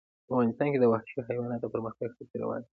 افغانستان کې د وحشي حیوانات د پرمختګ هڅې روانې دي.